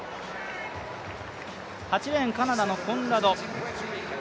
８レーン、カナダのコンラド。